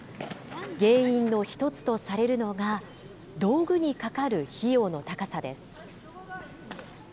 原因の一つとされるのが、道具にかかる費用の高さです。